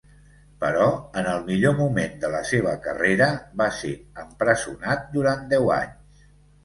Però, en el millor moment de la seva carrera, va ser empresonat durant deu anys.